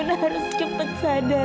tidak tidak apa apa